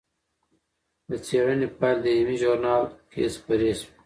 د څېړنې پایلې د علمي ژورنال کې خپرې شوې.